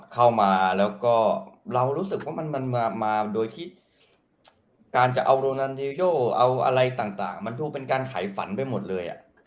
เข้ามาแล้วก็เรารู้สึกว่ามันมาโดยที่การจะเอาโรนันดิโยเอาอะไรต่างมันดูเป็นการไขฝันไปหมดเลย